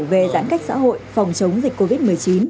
về giãn cách xã hội phòng chống dịch covid một mươi chín